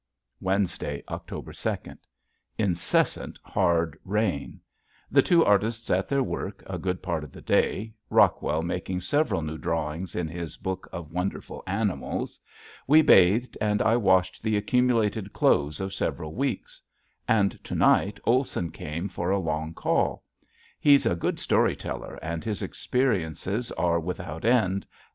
Wednesday, October second. Incessant, hard rain. The two artists at their work a good part of the day, Rockwell making several new drawings in his book of wonderful animals. We bathed and I washed the accumulated clothes of several weeks. And to night Olson came for a long call. He's a good story teller and his experiences are without end.